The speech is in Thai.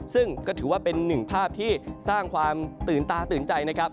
ซึ่งก็ถือว่าเป็นหนึ่งภาพที่สร้างความตื่นตาตื่นใจนะครับ